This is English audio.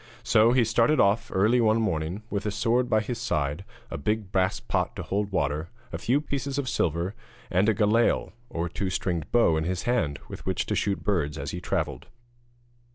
So he started off one early morning, with a sword by his side, a big brass pot to hold water, a few pieces of silver, and a galail or two stringed bow in his hand, with which to shoot birds as he travelled.